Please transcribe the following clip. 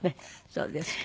そうですか。